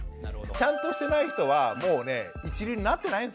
ちゃんとしてない人はもうね一流になってないんですよ。